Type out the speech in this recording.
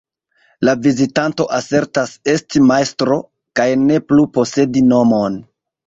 La vizitanto asertas esti "Majstro" kaj ne plu posedi nomon.